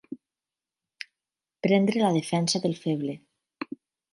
Prendre la defensa del feble.